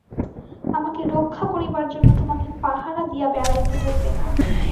আমাকে রক্ষা করিবার জন্য তোমাকে পাহারা দিয়া বেড়াইতে হইবে না।